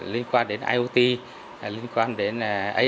liên quan đến iot liên quan đến ai